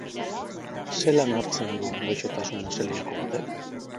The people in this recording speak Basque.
Zelan hartzen du gaixotasuna zeliako batek?